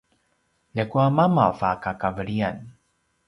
ljakua mamav a kakavelian